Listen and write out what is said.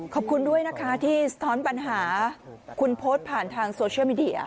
ขอบคุณด้วยนะคะที่สะท้อนปัญหาคุณโพสต์ผ่านทางโซเชียลมีเดีย